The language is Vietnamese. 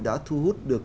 đã thu hút được